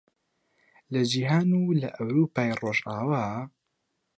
لە جیهان و لە ئەورووپای ڕۆژاوا